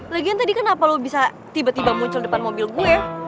lagian tadi kenapa lo bisa tiba tiba muncul depan mobil gue ya